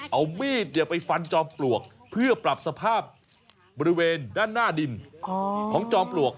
เอามีดไปฟันจอมปลวกเพื่อปรับสภาพบริเวณด้านหน้าดินของจอมปลวก